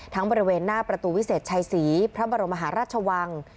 บริเวณหน้าประตูวิเศษชัยศรีพระบรมหาราชวัง